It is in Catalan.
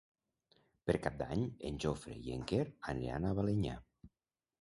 Per Cap d'Any en Jofre i en Quer aniran a Balenyà.